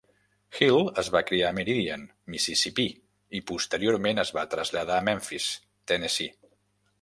Hill es va criar a Meridian, Mississipí, i posteriorment es va traslladar a Memphis, Tennessee.